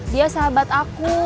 dia sahabat aku